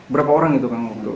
berapa orang itu